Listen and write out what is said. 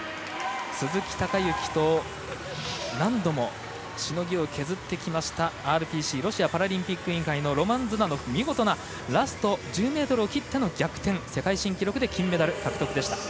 鈴木孝幸と何度もしのぎを削ってきましたＲＰＣ＝ロシアパラリンピック委員会のロマン・ズダノフ見事な世界新記録で金メダル獲得でした。